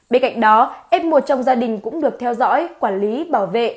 bên cạnh đó f một trong gia đình cũng được theo dõi quản lý bảo vệ